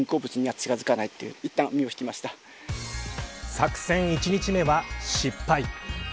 作戦１日目は失敗。